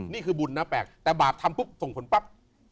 นี่คือบุญนะแปลกแต่บาปทำปุ๊บส่งผลปั๊บ